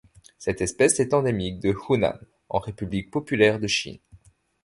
Cette espèce est endémique du Hunan en République populaire de Chine.